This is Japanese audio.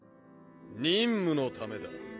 任務のためだ。